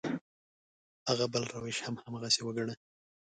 هغه بل روش هم هماغسې وګڼه.